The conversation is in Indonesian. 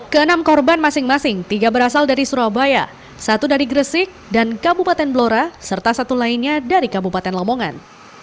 keenam korban masing masing tiga berasal dari surabaya satu dari gresik dan kabupaten blora serta satu lainnya dari kabupaten lamongan